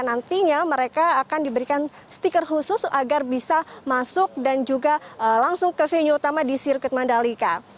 nantinya mereka akan diberikan stiker khusus agar bisa masuk dan juga langsung ke venue utama di sirkuit mandalika